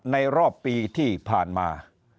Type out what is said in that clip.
รอบปีที่ผ่านมา